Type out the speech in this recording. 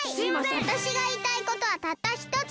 わたしがいいたいことはたったひとつ！